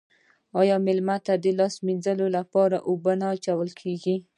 آیا میلمه ته د لاس مینځلو لپاره اوبه نه اچول کیږي؟